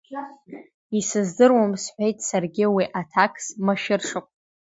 Исыздыруам, – сҳәеит саргьы уи аҭакс, машәыршақә.